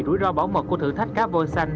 rủi ro bảo mật của thử thách cá vô xanh